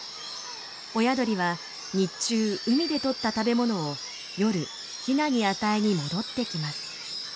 親鳥は日中海で取った食べ物を夜ヒナに与えに戻ってきます。